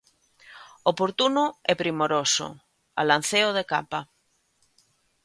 Oportuno e primoroso alanceo de Capa.